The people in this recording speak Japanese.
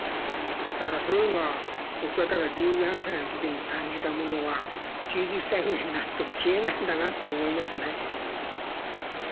だからそういうのは僕は十何歳の時に感じたものは９０歳ぐらいになっても消えないんだなって思いますね。